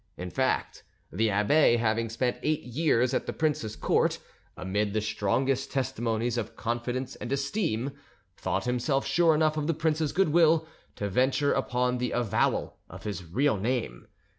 In fact, the abbe, having spent eight years at the prince's court, amid the strongest testimonies of confidence and esteem, thought himself sure enough of the prince's goodwill to venture upon the avowal of his real name.